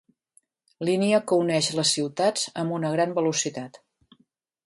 Línia que uneix les ciutats amb una gran velocitat.